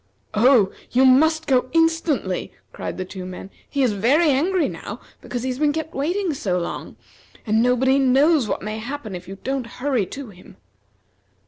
"Oh! you must go instantly!" cried the two men. "He is very angry now because he has been kept waiting so long; and nobody knows what may happen if you don't hurry to him."